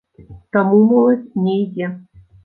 Таму моладзь не ідзе.